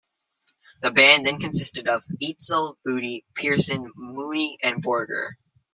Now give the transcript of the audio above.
The band then consisted of Eitzel, Vudi, Pearson, Mooney, and Borger.